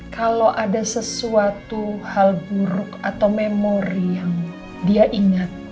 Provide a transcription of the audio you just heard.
kalau ada sesuatu hal buruk atau memori yang dia ingat